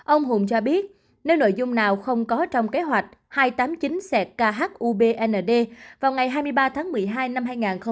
ông hùng cho biết nếu nội dung nào không có trong kế hoạch hai trăm tám mươi chín xe khubnd vào ngày hai mươi ba tháng một mươi hai năm hai nghìn hai mươi